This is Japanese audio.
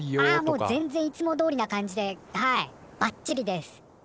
あもう全然いつもどおりな感じではいばっちりです。